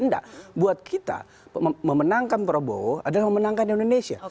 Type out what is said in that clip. tidak buat kita memenangkan prabowo adalah memenangkan indonesia